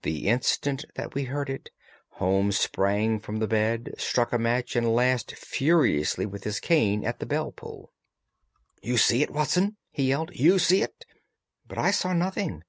The instant that we heard it, Holmes sprang from the bed, struck a match, and lashed furiously with his cane at the bell pull. "You see it, Watson?" he yelled. "You see it?" But I saw nothing.